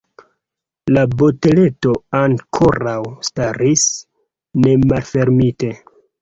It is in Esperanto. La boteleto ankoraŭ staris nemalfermite.